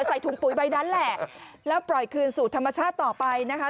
ใส่ถุงปุ๋ยใบนั้นแหละแล้วปล่อยคืนสู่ธรรมชาติต่อไปนะคะ